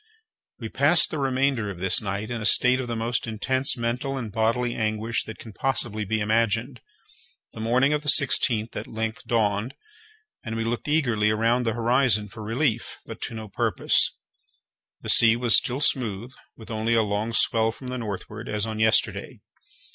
We passed the remainder of this night in a state of the most intense mental and bodily anguish that can possibly be imagined. The morning of the sixteenth at length dawned, and we looked eagerly around the horizon for relief, but to no purpose. The sea was still smooth, with only a long swell from the northward, as on yesterday.